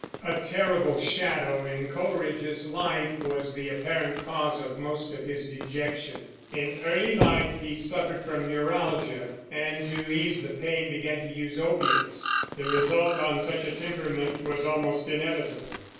A terrible shadow in Coleridge's life was the apparent cause of most of his dejection. In early life he suffered from neuralgia, and to ease the pain began to use opiates. The result on such a temperament was almost inevitable.